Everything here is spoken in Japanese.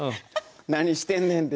何してんねんって。